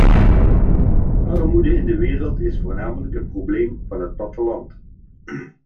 De armoede in de wereld is voornamelijk een probleem van het platteland.